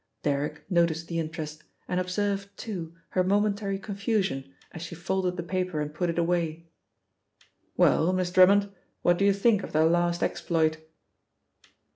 Derrick noticed the interest, and observed, too, her momentary confusion as she folded the paper and put it away. "Well, Miss Drummond, what do you think of their last exploit?"